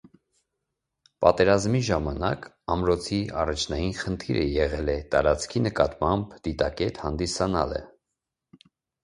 Պատերազմի ժամանակ ամրոցի առաջնային խնդիրը եղել է տարածքի նկատմամբ դիտակետ հանդիսանալը։